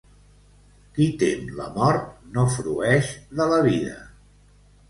Qui tem la mort, no frueix de la vida.